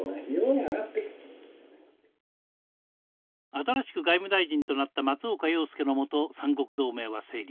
新しく外務大臣となった松岡洋右の下三国同盟は成立。